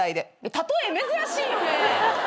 例え珍しいよね？